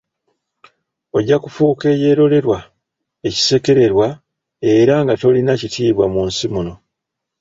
Ojja kufuuka eyerolerwa, ekisekererwa, era nga tolina kitiibwa mu nsi muno.